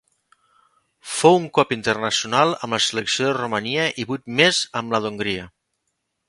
Fou un cop internacional amb la selecció de Romania i vuit més amb la d'Hongria.